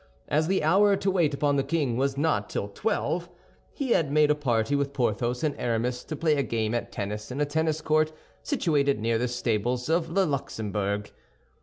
As the hour to wait upon the king was not till twelve, he had made a party with Porthos and Aramis to play a game at tennis in a tennis court situated near the stables of the Luxembourg.